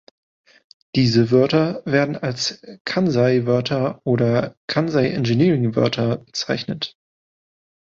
Diese Wörter werden als "Kansei-Wörter" oder "Kansei Engineering-Wörter" bezeichnet.